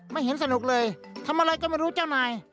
ไม่เห็นสนุกเลยทำอะไรก็ไม่รู้เจ้านาย